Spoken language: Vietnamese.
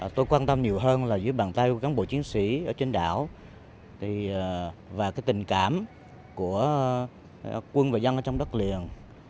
tôi quan tâm nhiều hơn là dưới bàn tay của cán bộ chiến sĩ ở trên đảo và tình cảm của quân và dân ở trong đất liền